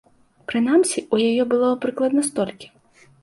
Прынамсі, у яе было прыкладна столькі.